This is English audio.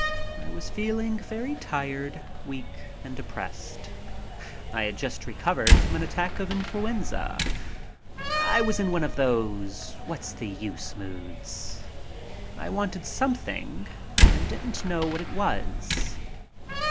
I was feeling very tired, weak, and depressed. I had just recovered from an attack of influenza. I was in one of those "what's the use" moods. I wanted something and didn't know what it was.